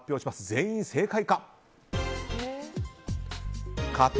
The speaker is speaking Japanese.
全員正解！